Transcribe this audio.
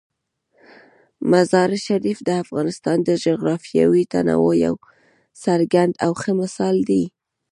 مزارشریف د افغانستان د جغرافیوي تنوع یو څرګند او ښه مثال دی.